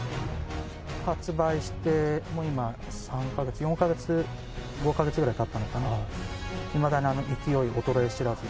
発売して、もう今３か月、４か月、５か月ぐらいたったのかな、いまだに勢い衰え知らず。